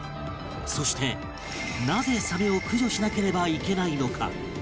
そしてなぜサメを駆除しなければいけないのか？